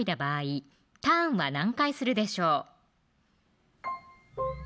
そう２９回ターンは何回するでしょう